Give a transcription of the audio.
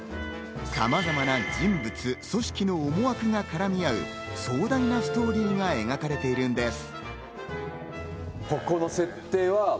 さまざまな人物、組織の思惑が絡み合う、壮大なストーリーが描かれているのです。